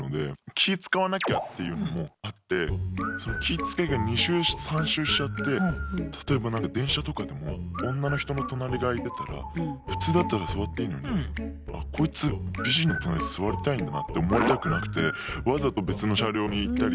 気つかわなきゃっていうのもあってその気つかいが２周３周しちゃって例えば電車とかでも女の人の隣が空いてたら普通だったら座っていいのにこいつ美人の隣に座りたいんだなって思われたくなくてわざと別の車両に行ったり。